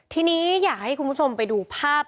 ทีนี้อยากให้คุณผู้ชมไปดูภาพ